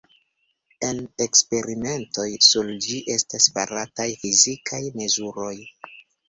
En eksperimentoj sur ĝi estas farataj fizikaj mezuroj.